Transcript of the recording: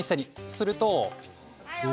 すると。